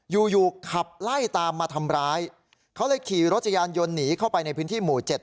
อยู่อยู่ขับไล่ตามมาทำร้ายเขาเลยขี่รถจักรยานยนต์หนีเข้าไปในพื้นที่หมู่๗